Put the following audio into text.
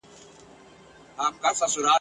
که خندل دي نو به ګورې چي نړۍ درسره خاندي ..